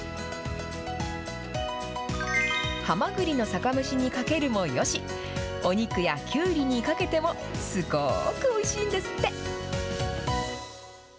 ハマグリの酒蒸しにかけるのもよし、お肉やきゅうりにかけてもすごーくおいしいんですって。